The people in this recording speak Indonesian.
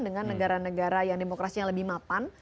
dengan negara negara yang demokrasi yang lebih mapan